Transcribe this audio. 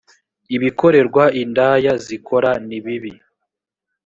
ibikorerwa indaya zikora ni bibi